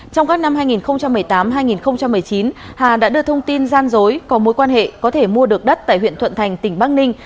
trong các năm hai nghìn một mươi tám hai nghìn một mươi chín hà đã đưa thông tin gian dối có mối quan hệ có thể mua được đất tại huyện thuận thành tỉnh bắc ninh